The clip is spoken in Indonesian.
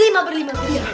lima berlima beliau